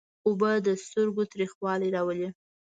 اوبه د سترګو یخوالی راولي.